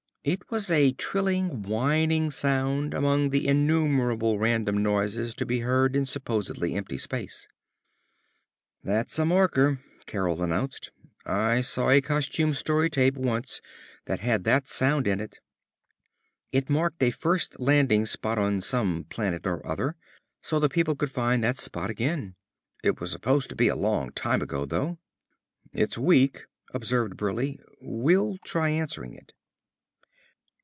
It was a trilling, whining sound among the innumerable random noises to be heard in supposedly empty space. "That's a marker," Carol announced. "I saw a costume story tape once that had that sound in it. It marked a first landing spot on some planet or other, so the people could find that spot again. It was supposed to be a long time ago, though." "It's weak," observed Burleigh. "We'll try answering it."